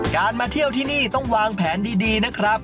มาเที่ยวที่นี่ต้องวางแผนดีนะครับ